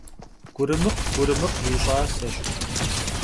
Gurımıkh gurımıkh yi ş'aseş.